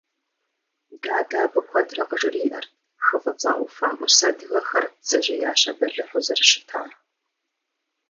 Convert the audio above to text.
Дадэ абы куэдрэ къыжриӀэрт Хы фӀыцӀэ Ӏуфэм Ӏус адыгэхэр бдзэжьеящэ бэлыхьу зэрыщытар.